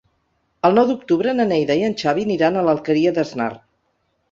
El nou d'octubre na Neida i en Xavi aniran a l'Alqueria d'Asnar.